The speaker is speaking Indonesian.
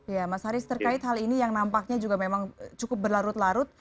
ya mas haris terkait hal ini yang nampaknya juga memang cukup berlarut larut